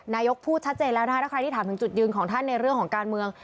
นายกพูดชัดเจนแล้วนะคะถ้าใครที่ถามถึงจุดยืนของท่านในเรื่องของการเมือง